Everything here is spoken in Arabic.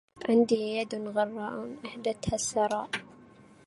عندي يد غراء أهدتها السرى